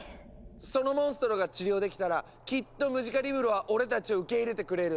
そのモンストロが治療できたらきっとムジカリブロは俺たちを受け入れてくれる。